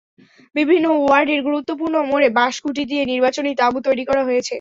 বিভিন্ন ওয়ার্ডের গুরুত্বপূর্ণ মোড়ে বাঁশ-খুঁটি দিয়ে নির্বাচনী তাঁবু তৈরি করা হয়েছে।